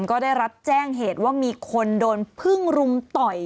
ก็ได้รับแจ้งเหตุว่ามีคนโดนพึ่งรุมต่อย